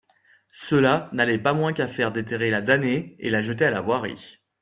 Cela n'allait pas moins qu'à faire déterrer la damnée et la jeter à la voirie.